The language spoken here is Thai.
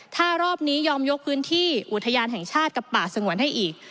ถ้ารอบนี้ยอมยกพื้นที่อุทยานแห่งชาติกับป่าสงวนให้อีก